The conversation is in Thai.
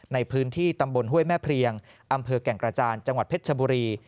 ในพื้นที่ตำบลห้วยแม่เพลียงอำเภอแก่งกระจานจังหวัดเพชรชบุรี